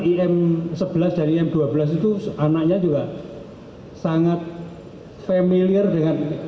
im sebelas dan im dua belas itu anaknya juga sangat familiar dengan